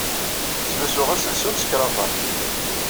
Ttlusuɣ aselsu ed tekrabaḍt.